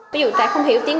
ví dụ tại không hiểu tiếng